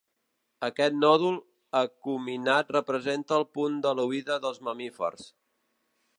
Aquest nòdul acuminat representa el punt de la oïda dels mamífers.